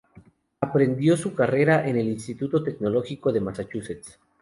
Aprendió su carrera en el Instituto Tecnológico de Massachusetts.